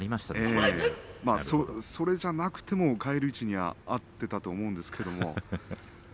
それじゃなくても返り討ちに遭っていたと思うんですけれどもね。